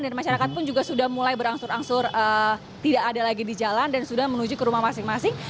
dan masyarakat pun juga sudah mulai berangsur angsur tidak ada lagi di jalan dan sudah menuju ke rumah masing masing